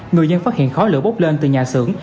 người dân phát hiện khói lửa bốc lên từ nhà xưởng